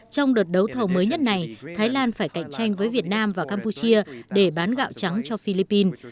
trong đợt đấu thầu mới nhất này thái lan phải cạnh tranh với việt nam và campuchia để bán gạo trắng cho philippines